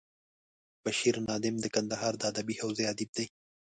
بشیر نادم د کندهار د ادبي حوزې ادیب دی.